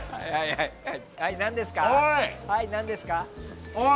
はい、何ですか？